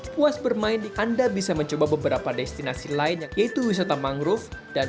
puas bermain anda bisa mencoba beberapa destinasi lain yaitu wisata mangrove dan